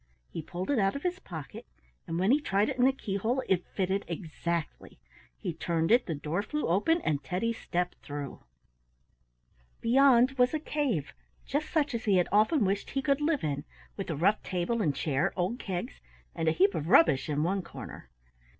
He pulled it out of his pocket, and when he tried it in the keyhole it fitted exactly. He turned it, the door flew open, and Teddy stepped through. Beyond was a cave, just such as he had often wished he could live in, with a rough table and chair, old kegs, and a heap of rubbish in one corner.